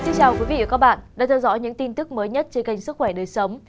chào các bạn đã theo dõi những tin tức mới nhất trên kênh sức khỏe đời sống